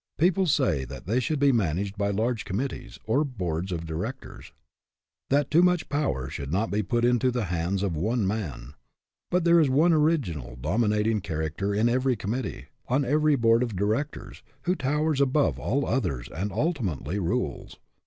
People say that they should be managed by large committees, or boards of directors ; that too much power should not be put into the hands of one man. But there is one original, dominating character in every committee, on every board of directors, who towers above all the others and ultimately rules.